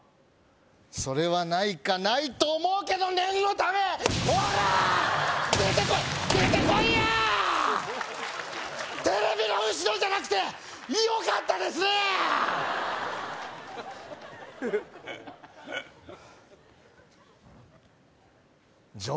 それはないかないと思うけど念のためオリャーッ出てこいっ出てこいやーっテレビの後ろじゃなくてよかったですねー！